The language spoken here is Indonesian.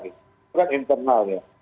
itu kan internal ya